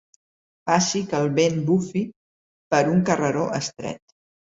Faci que el vent bufi per un carreró estret.